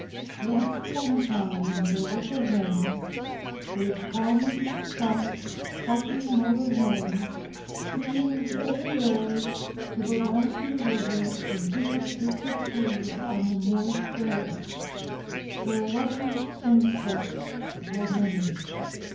Once upon a time there was a Hen, a common, plump, clucky mother Hen, who used every day to go down to the river and pick up bits of food on the moist banks, where luscious insects were many.